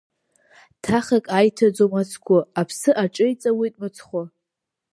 Ҭахак аиҭаӡом ацгәы, аԥсы аҿеиҵауеит мыцхәы.